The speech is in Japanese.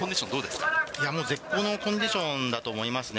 いや、もう絶好のコンディションだと思いますね。